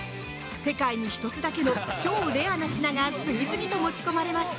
世界に１つだけの超レアな品が次々と持ち込まれます。